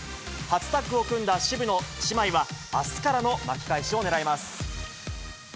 初タッグを組んだ渋野姉妹は、あすからの巻き返しを狙います。